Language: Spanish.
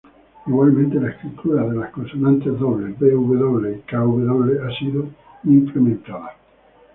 Igualmente, la escritura de las consonantes dobles "bw" y "kw" ha sido implementada.